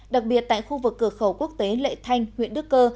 đặc biệt tại khu vực cửa khẩu quốc tế lệ thanh huyện đức cơ